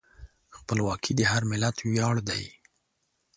خپلواکي د هر ملت ویاړ دی.